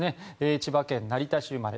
千葉県成田市生まれ。